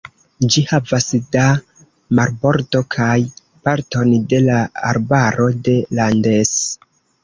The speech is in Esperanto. Ĝi havas da marbordo kaj parton de la arbaro de Landes.